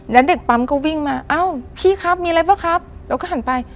แล้วเด็กปั๊มก็วิ่งมาเอ้าพี่ครับมีอะไรป่ะครับเราก็หันไป